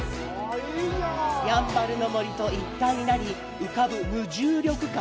やんばるの森と一体になり浮かぶ無重力感。